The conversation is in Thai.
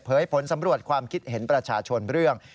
ผลสำรวจความคิดเห็นประชาชนเรื่อง